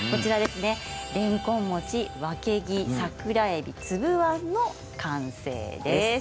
れんこん餅、わけぎ、桜えび粒あんの完成です。